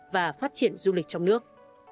và phát triển du lịch trong nước